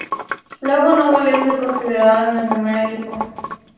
Luego no volvió a ser considerado en el primer equipo.